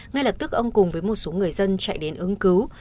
ngay lập tức ông cùng với một số người dân chạy đến ứng cứu